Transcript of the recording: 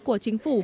của chính phủ